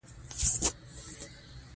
په هېواد کې فقر زیات شوی دی!